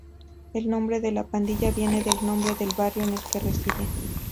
El nombre de la pandilla viene del nombre del barrio en el que residen.